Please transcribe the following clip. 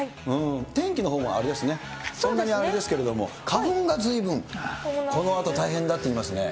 天気のほうはあれですね、そんなにあれですけど、花粉がずいぶん、このあと大変だっていいますね。